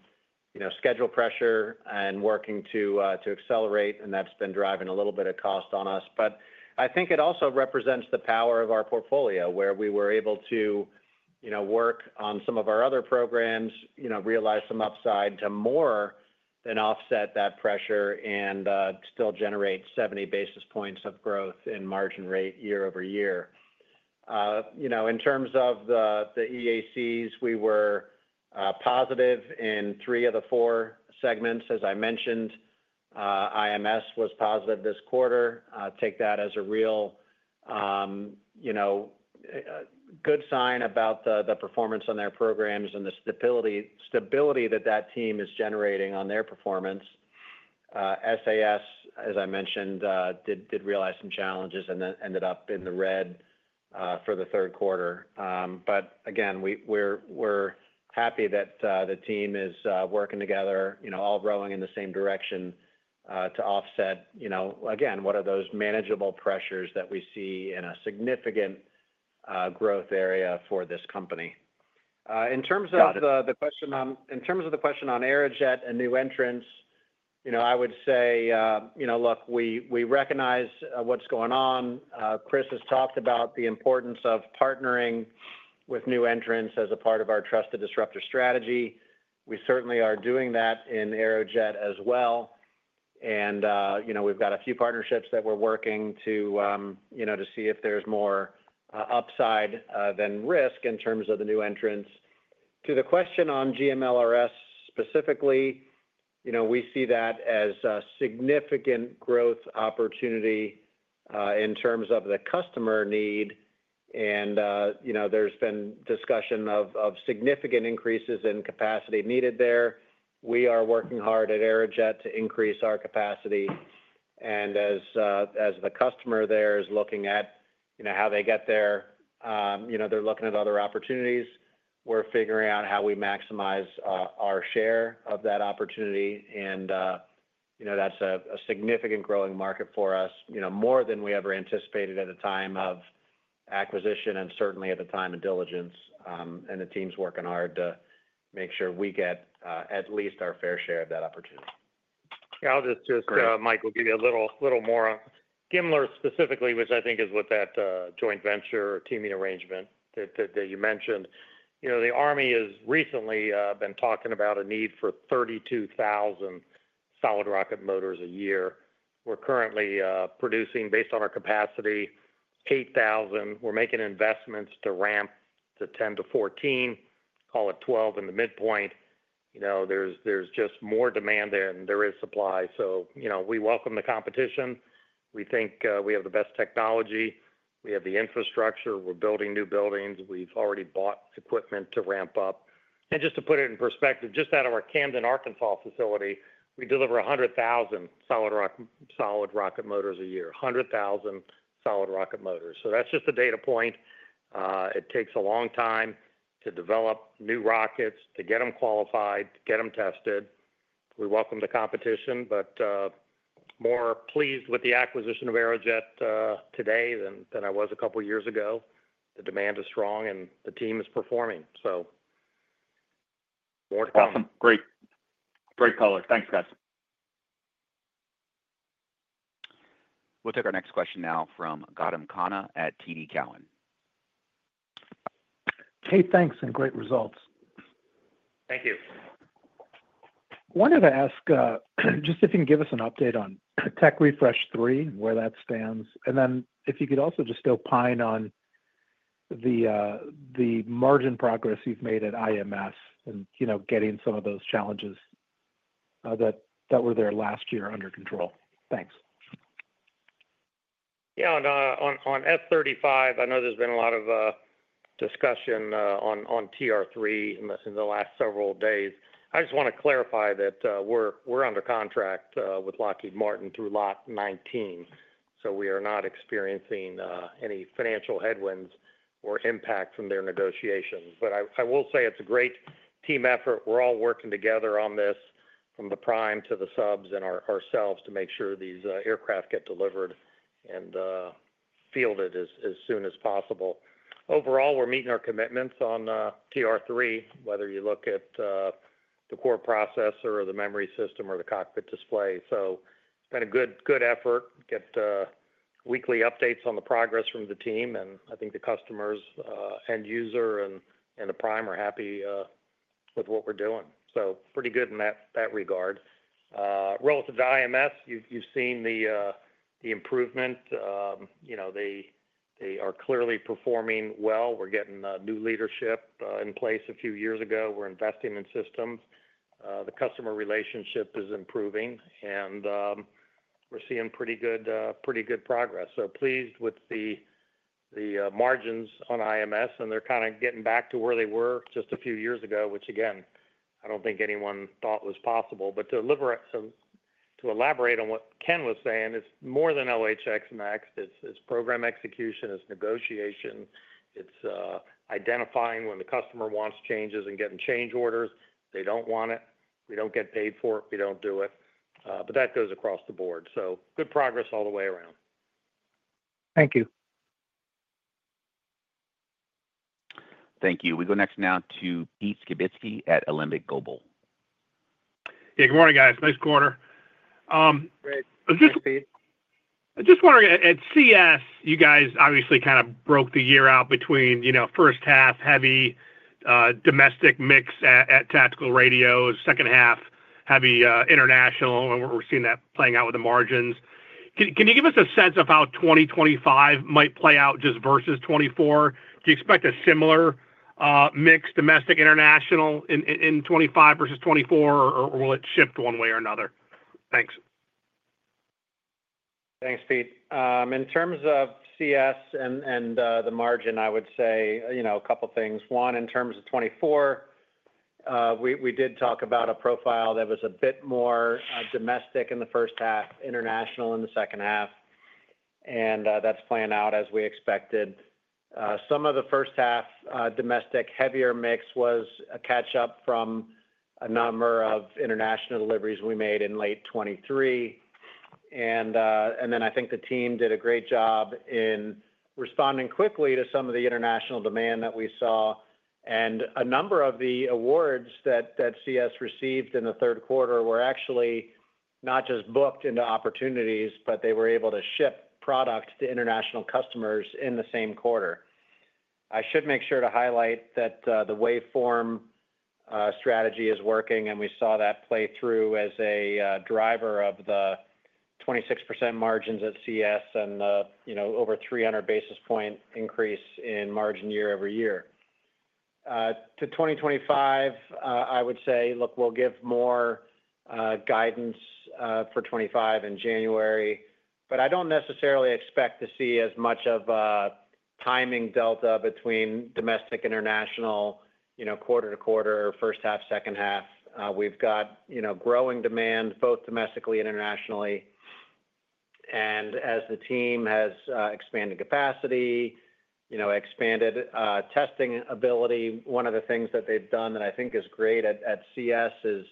schedule pressure and working to accelerate, and that's been driving a little bit of cost on us. But I think it also represents the power of our portfolio, where we were able to, you know, work on some of our other programs, you know, realize some upside to more than offset that pressure and still generate seventy basis points of growth in margin rate year over year. You know, in terms of the EACs, we were positive in three of the four segments. As I mentioned, IMS was positive this quarter. Take that as a real, you know, good sign about the performance on their programs and the stability that that team is generating on their performance. SAS, as I mentioned, did realize some challenges and then ended up in the red for the third quarter. But again, we're happy that the team is working together, you know, all rowing in the same direction to offset, you know, again, what are those manageable pressures that we see in a significant growth area for this company. In terms of- Got it the question on, in terms of the question on Aerojet and new entrants, you know, I would say, you know, look, we, we recognize, what's going on. Chris has talked about the importance of partnering with new entrants as a part of our trusted disruptor strategy. We certainly are doing that in Aerojet as well. And, you know, we've got a few partnerships that we're working to, you know, to see if there's more, upside, than risk in terms of the new entrants. To the question on GMLRS specifically, you know, we see that as a significant growth opportunity, in terms of the customer need, and, you know, there's been discussion of significant increases in capacity needed there. We are working hard at Aerojet to increase our capacity. As the customer there is looking at, you know, how they get there, you know, they're looking at other opportunities. We're figuring out how we maximize our share of that opportunity. You know, that's a significant growing market for us, you know, more than we ever anticipated at the time of acquisition and certainly at the time of diligence. The team's working hard to make sure we get at least our fair share of that opportunity. I'll just, Mike, we'll give you a little more on GMLRS specifically, which I think is with that joint venture or teaming arrangement that you mentioned. You know, the Army has recently been talking about a need for 32,000 solid rocket motors a year. We're currently producing, based on our capacity, 8,000. We're making investments to ramp to 10 to 14. Call it 12 in the midpoint. You know, there's just more demand than there is supply. So, you know, we welcome the competition. We think we have the best technology. We have the infrastructure. We're building new buildings. We've already bought equipment to ramp up. Just to put it in perspective, just out of our Camden, Arkansas, facility, we deliver one hundred thousand solid rocket motors a year, one hundred thousand solid rocket motors. So that's just a data point. It takes a long time to develop new rockets, to get them qualified, to get them tested. We welcome the competition, but more pleased with the acquisition of Aerojet today than I was a couple of years ago. The demand is strong and the team is performing, so more to come. Awesome. Great. Great color. Thanks, guys. We'll take our next question now from Gautam Khanna at TD Cowen. Hey, thanks, and great results. Thank you. Wanted to ask just if you can give us an update on Tech Refresh 3, where that stands, and then if you could also just opine on the margin progress you've made at IMS and, you know, getting some of those challenges that were there last year under control. Thanks. On F-35, I know there's been a lot of discussion on TR-3 in the last several days. I just want to clarify that we're under contract with Lockheed Martin through Lot 19, so we are not experiencing any financial headwinds or impact from their negotiations. But I will say it's a great team effort. We're all working together on this, from the prime to the subs and ourselves, to make sure these aircraft get delivered and fielded as soon as possible. Overall, we're meeting our commitments on TR-3, whether you look at the core processor or the memory system or the cockpit display. So it's been a good effort. Get weekly updates on the progress from the team, and I think the customers end user and the prime are happy with what we're doing. So pretty good in that regard. Relative to IMS, you've seen the improvement. You know, they are clearly performing well. We're getting new leadership in place a few years ago. We're investing in systems. The customer relationship is improving, and we're seeing pretty good progress. So pleased with the margins on IMS, and they're kind of getting back to where they were just a few years ago, which again, I don't think anyone thought was possible. But to elaborate on what Ken was saying, it's more than LHX NeXt. It's program execution, it's negotiation, it's identifying when the customer wants changes and getting change orders. They don't want it, we don't get paid for it, we don't do it, but that goes across the board, so good progress all the way around. Thank you. Thank you. We go next now to Pete Skibitsky at Alembic Global Advisors. Good morning, guys. Nice quarter. Great. I just wondering, at CS, you guys obviously kind of broke the year out between, you know, first half heavy, domestic mix at Tactical Radio, second half heavy, international, and we're seeing that playing out with the margins. Can you give us a sense of how 2025 might play out just versus 2024? Do you expect a similar mix, domestic, international, in 2025 versus 2024, or will it shift one way or another? Thanks. Thanks, Pete. In terms of CS and the margin, I would say, you know, a couple things. One, in terms of 2024, we did talk about a profile that was a bit more domestic in the first half, international in the second half, and that's playing out as we expected. Some of the first half domestic heavier mix was a catch-up from a number of international deliveries we made in late 2023. And then I think the team did a great job in responding quickly to some of the international demand that we saw. And a number of the awards that CS received in the third quarter were actually not just booked into opportunities, but they were able to ship product to international customers in the same quarter. I should make sure to highlight that the waveform strategy is working, and we saw that play through as a driver of the 26% margins at CS and the, you know, over 300 basis point increase in margin year over year. To 2025, I would say, look, we'll give more guidance for 2025 in January, but I don't necessarily expect to see as much of a timing delta between domestic, international, you know, quarter to quarter, first half, second half. We've got, you know, growing demand both domestically and internationally. As the team has expanded capacity, you know, expanded testing ability, one of the things that they've done that I think is great at CS is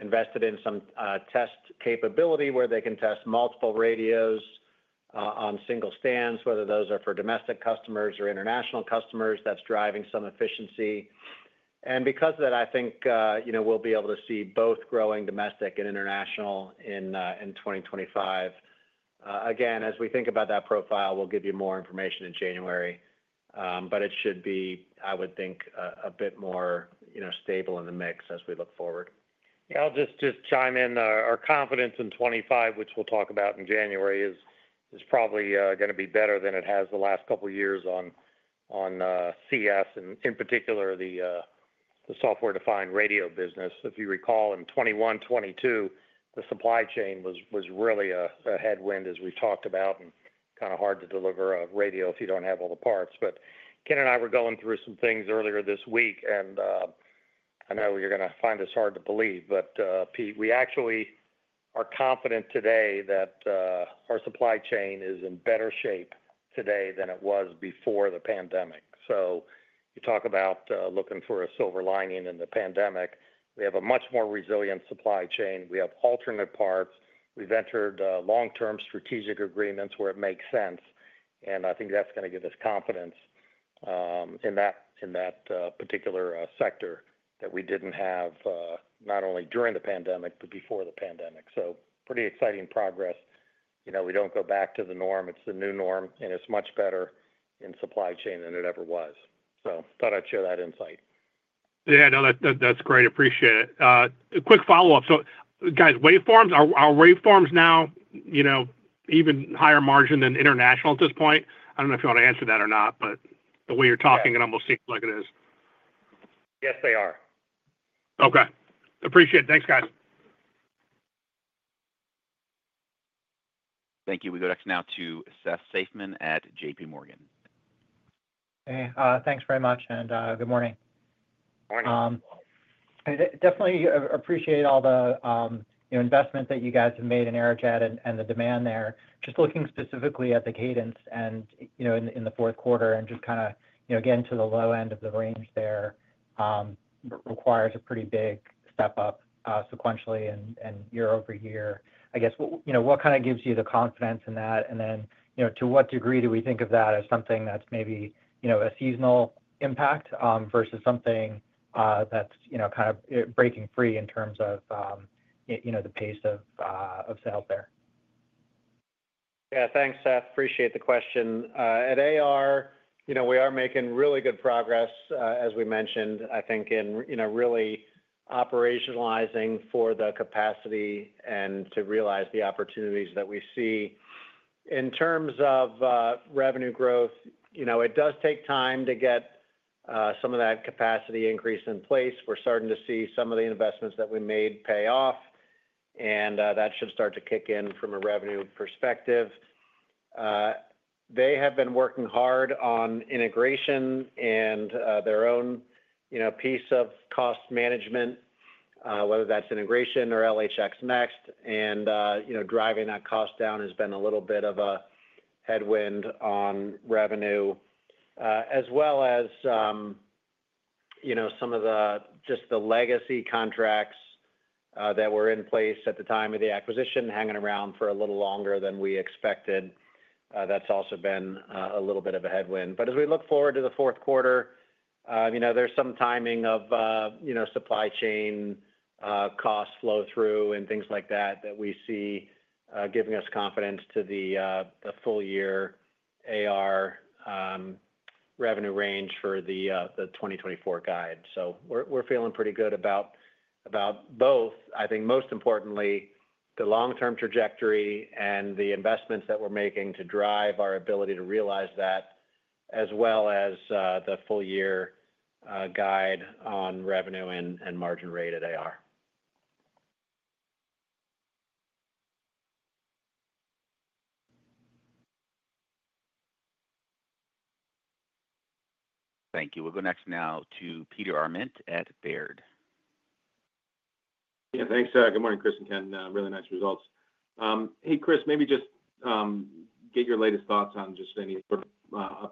invested in some test capability where they can test multiple radios on single stands, whether those are for domestic customers or international customers. That's driving some efficiency. Because of that, I think, you know, we'll be able to see both growing domestic and international in 2025. Again, as we think about that profile, we'll give you more information in January, but it should be, I would think, a bit more, you know, stable in the mix as we look forward. I'll just chime in. Our confidence in 2025, which we'll talk about in January, is probably gonna be better than it has the last couple of years on CS, and in particular, the software-defined radio business. If you recall, in 2021, 2022, the supply chain was really a headwind, as we talked about, and kind of hard to deliver a radio if you don't have all the parts. But Ken and I were going through some things earlier this week, and I know you're gonna find this hard to believe, but Pete, we actually are confident today that our supply chain is in better shape today than it was before the pandemic. So you talk about looking for a silver lining in the pandemic. We have a much more resilient supply chain. We have alternate parts. We've entered long-term strategic agreements where it makes sense, and I think that's gonna give us confidence in that particular sector that we didn't have not only during the pandemic, but before the pandemic. So pretty exciting progress. You know, we don't go back to the norm, it's the new norm, and it's much better in supply chain than it ever was. So thought I'd share that insight. No, that's great. Appreciate it. A quick follow-up. So, guys, waveforms. Are waveforms now, you know, even higher margin than international at this point? I don't know if you want to answer that or not, but the way you're talking it almost seems like it is. Yes, they are. Okay. Appreciate it. Thanks, guys. Thank you. We go next now to Seth Seifman at J.P. Morgan. Hey, thanks very much, and, good morning. Morning. I definitely appreciate all the, you know, investment that you guys have made in Aerojet and the demand there. Just looking specifically at the cadence and, you know, in the fourth quarter and just kind of, you know, getting to the low end of the range there requires a pretty big step-up sequentially and year over year. I guess, what you know, what kind of gives you the confidence in that? And then, you know, to what degree do we think of that as something that's maybe, you know, a seasonal impact versus something that's, you know, kind of breaking free in terms of, you know, the pace of sales there? Thanks, Seth. Appreciate the question. At AR, you know, we are making really good progress, as we mentioned, I think in, you know, really operationalizing for the capacity and to realize the opportunities that we see. In terms of, revenue growth, you know, it does take time to get, some of that capacity increase in place. We're starting to see some of the investments that we made pay off, and, that should start to kick in from a revenue perspective. They have been working hard on integration and, their own, you know, piece of cost management, whether that's integration or LHX NeXt. You know, driving that cost down has been a little bit of a headwind on revenue, as well as, you know, some of just the legacy contracts that were in place at the time of the acquisition, hanging around for a little longer than we expected that's also been a little bit of a headwind. But as we look forward to the fourth quarter, you know, there's some timing of, you know, supply chain costs flow through and things like that, that we see giving us confidence to the, the full year AR revenue range for the, the 2024 guide. So we're feeling pretty good about both. I think most importantly, the long-term trajectory and the investments that we're making to drive our ability to realize that, as well as, the full year guide on revenue and margin rate at AR. Thank you. We'll go next now to Peter Arment at Baird. Thanks. Good morning, Chris and Ken. Really nice results. Hey, Chris, maybe just get your latest thoughts on just any sort of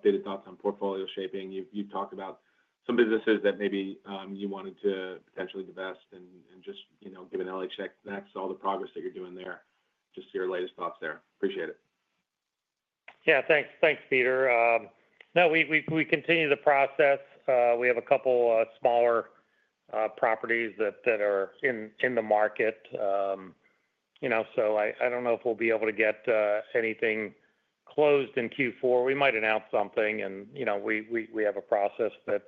updated thoughts on portfolio shaping. You talked about some businesses that maybe you wanted to potentially divest and just, you know, give an LHX NeXt check to all the progress that you're doing there. Just see your latest thoughts there. Appreciate it. Thanks. Thanks, Peter. Now, we continue to process. We have a couple smaller properties that are in the market. You know, so I don't know if we'll be able to get anything closed in Q4. We might announce something and, you know, we have a process that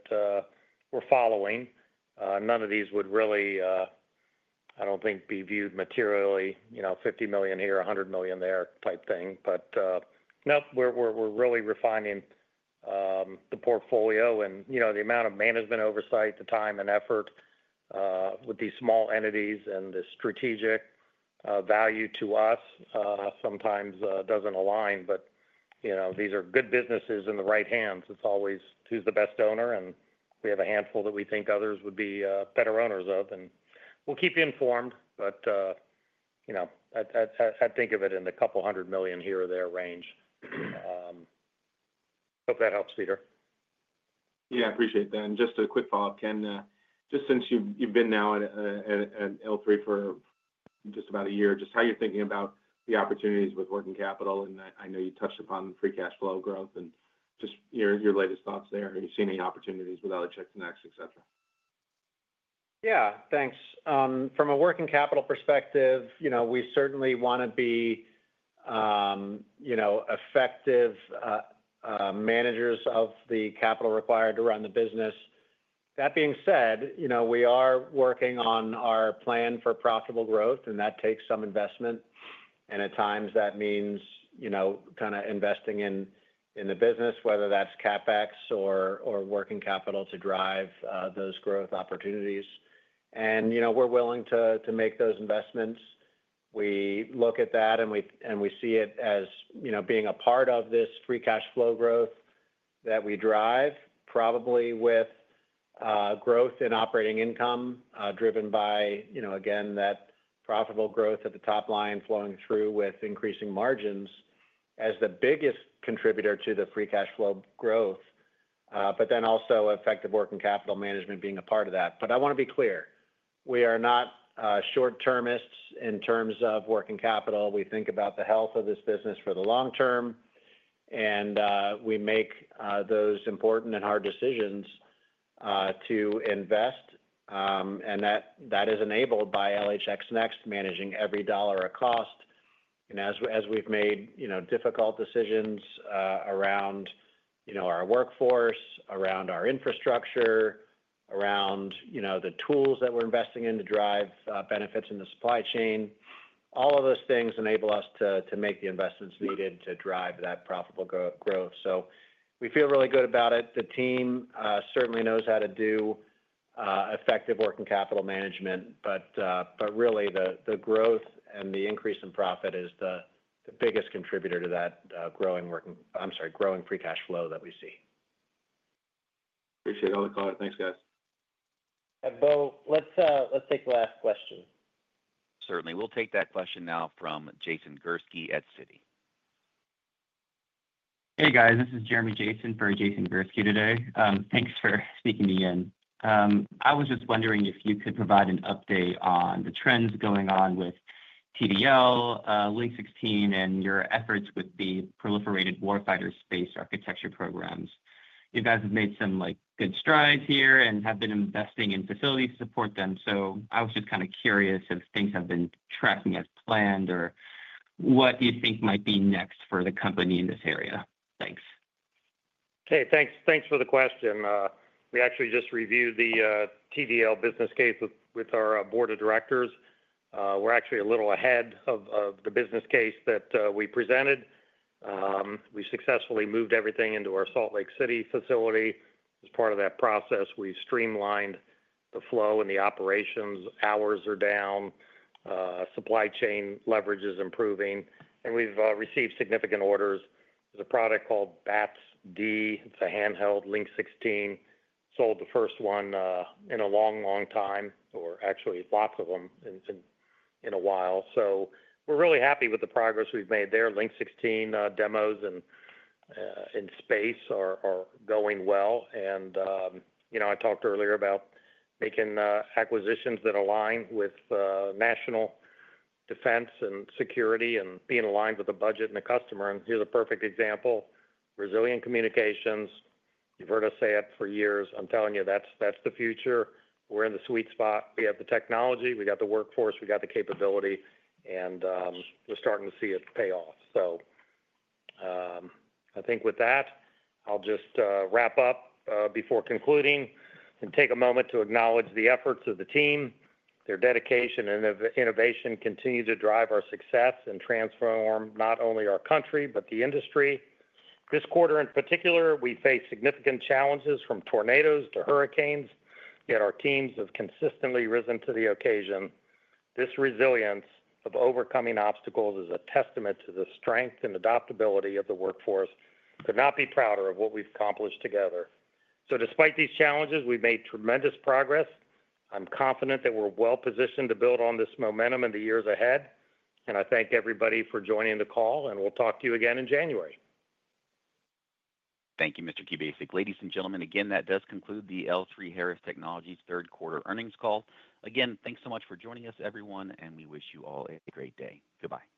we're following. None of these would really, I don't think, be viewed materially, you know, $50 million here, $100 million there type thing. But, nope, we're really refining the portfolio and, you know, the amount of management oversight, the time and effort with these small entities and the strategic value to us sometimes doesn't align. But, you know, these are good businesses in the right hands. It's always who's the best owner, and we have a handful that we think others would be better owners of. And we'll keep you informed, but you know, I'd think of it in the $200 million here or there range. Hope that helps, Peter. Appreciate that. And just a quick follow-up, Ken, just since you've been now at L3 for just about a year, just how you're thinking about the opportunities with working capital, and I know you touched upon free cash flow growth and just your latest thoughts there. Have you seen any opportunities with LHX NeXt, et cetera? Thanks. From a working capital perspective, you know, we certainly wanna be, you know, effective managers of the capital required to run the business. That being said, you know, we are working on our plan for profitable growth, and that takes some investment, and at times, that means, you know, kinda investing in the business, whether that's CapEx or working capital to drive those growth opportunities, and you know, we're willing to make those investments. We look at that, and we see it as, you know, being a part of this free cash flow growth that we drive, probably with growth in operating income, driven by, you know, again, that profitable growth at the top line, flowing through with increasing margins as the biggest contributor to the free cash flow growth, but then also effective working capital management being a part of that. But I wanna be clear, we are not short-termists in terms of working capital. We think about the health of this business for the long term, and we make those important and hard decisions to invest, and that is enabled by LHX NeXt managing every dollar a cost. As we've made, you know, difficult decisions around, you know, our workforce, around our infrastructure, around, you know, the tools that we're investing in to drive benefits in the supply chain, all of those things enable us to make the investments needed to drive that profitable growth. So we feel really good about it. The team certainly knows how to do effective working capital management, but really, the growth and the increase in profit is the biggest contributor to that growing free cash flow that we see. Appreciate all the call. Thanks, guys. Beau, let's take the last question. Certainly. We'll take that question now from Jason Gursky at Citi. Hey, guys, this is Jeremy Jason for Jason Gursky today. Thanks for sneaking me in. I was just wondering if you could provide an update on the trends going on with TDL, Link-16, and your efforts with the Proliferated Warfighter Space Architecture programs. You guys have made some, like, good strides here and have been investing in facilities to support them, so I was just kinda curious if things have been tracking as planned, or what do you think might be next for the company in this area? Thanks. Okay, thanks. Thanks for the question. We actually just reviewed the TDL business case with our board of directors. We're actually a little ahead of the business case that we presented. We successfully moved everything into our Salt Lake City facility. As part of that process, we streamlined the flow and the operations. Hours are down, supply chain leverage is improving, and we've received significant orders. There's a product called BATS-D. It's a handheld Link-16. Sold the first one in a long, long time, or actually lots of them in a while. So we're really happy with the progress we've made there. Link-16 demos and in space are going well. You know, I talked earlier about making acquisitions that align with national defense and security and being aligned with the budget and the customer. And here's a perfect example: resilient communications. You've heard us say it for years. I'm telling you, that's the future. We're in the sweet spot. We got the technology, we got the workforce, we got the capability, and we're starting to see it pay off, so I think with that, I'll just wrap up before concluding and take a moment to acknowledge the efforts of the team. Their dedication and innovation continue to drive our success and transform not only our country, but the industry. This quarter, in particular, we face significant challenges, from tornadoes to hurricanes, yet our teams have consistently risen to the occasion. This resilience of overcoming obstacles is a testament to the strength and adaptability of the workforce. Could not be prouder of what we've accomplished together. So despite these challenges, we've made tremendous progress. I'm confident that we're well-positioned to build on this momentum in the years ahead, and I thank everybody for joining the call, and we'll talk to you again in January. Thank you, Mr. Kubasik. Ladies and gentlemen, again, that does conclude the L3Harris Technologies third quarter earnings call. Again, thanks so much for joining us, everyone, and we wish you all a great day. Goodbye.